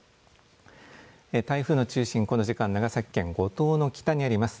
台風の中心、この時間長崎県五島の北にあります。